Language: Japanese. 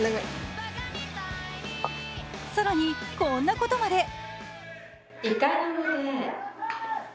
更にこんなことまで。